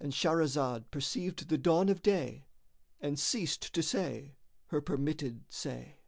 ——And Shahrazad perceived the dawn of day and ceased to say her permitted say.